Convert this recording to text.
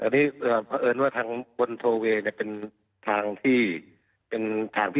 นี่เพราะน่าวนทอวีย